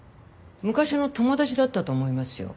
昔の友達だったと思いますよ。